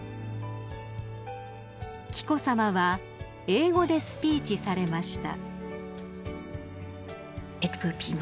［紀子さまは英語でスピーチされました］